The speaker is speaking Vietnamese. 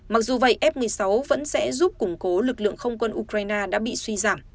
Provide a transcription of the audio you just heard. mặc dù vậy f một mươi sáu vẫn sẽ giúp củng cố lực lượng không quân ukraine đã bị suy giảm